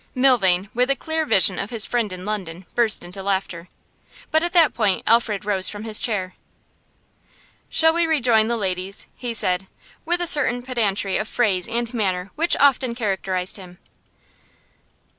Milvain, with a clear vision of his friend in London, burst into laughter. But at that point Alfred rose from his chair. 'Shall we rejoin the ladies?' he said, with a certain pedantry of phrase and manner which often characterised him.